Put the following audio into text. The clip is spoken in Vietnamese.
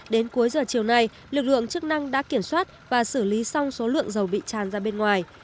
đến cuối giờ chiều nay lực lượng chức năng đã kiểm soát và xử lý xong số lượng dầu bị tràn ra bên ngoài